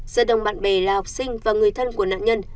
gia đồng bạn bè là học sinh và người thân của nạn nhân